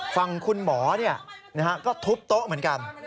ฝั่งคุณหมอก็ทุบโต๊ะเหมือนกัน